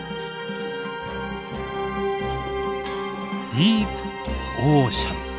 「ディープオーシャン」。